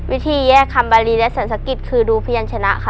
วิธีแยกคำบารีและเศรษฐกิจคือดูพยานชนะค่ะ